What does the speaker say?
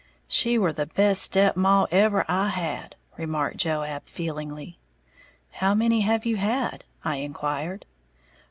"She were the best step maw ever I had," remarked Joab, feelingly. "How many have you had?" I inquired.